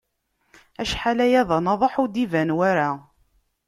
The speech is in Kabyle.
Acḥal aya d anaḍeḥ, ur d-iban wara.